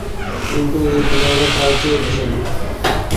কিন্তু এ বিড়ালটা তার চেয়েও ভীষণ।